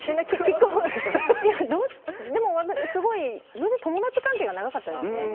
でも、すごい友達関係が長かったんですね。